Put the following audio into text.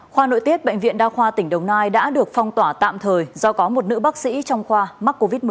khoa nội tiết bệnh viện đa khoa tỉnh đồng nai đã được phong tỏa tạm thời do có một nữ bác sĩ trong khoa mắc covid một mươi chín